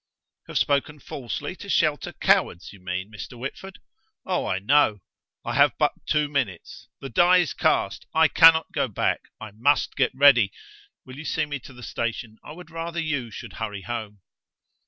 "Have spoken falsely to shelter cowards, you mean, Mr. Whitford. Oh, I know. I have but two minutes. The die is cast. I cannot go back. I must get ready. Will you see me to the station? I would rather you should hurry home."